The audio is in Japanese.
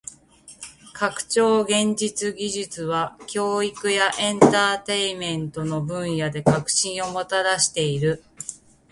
拡張現実技術は教育やエンターテインメントの分野で革新をもたらしている。